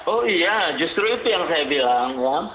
oh iya justru itu yang saya bilang ya